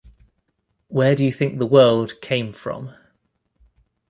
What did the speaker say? Where do you think the world came from?